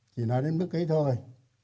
chỉ nói đến bước ấy thôi